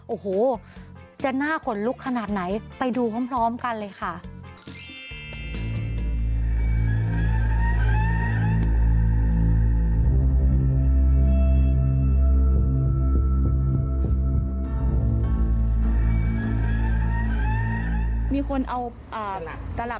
โอ้โหจะหน้าขนลุกขนาดไหนไปดูพร้อมกันเลยค่ะ